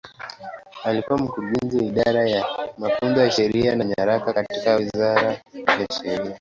Alikuwa Mkurugenzi wa Idara ya Mafunzo ya Sheria na Nyaraka katika Wizara ya Sheria.